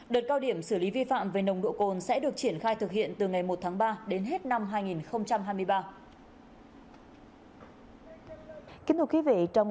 đợt cao điểm xử lý vi phạm về nồng độ cồn sẽ được triển khai thực hiện từ ngày một tháng ba đến hết năm hai nghìn hai mươi ba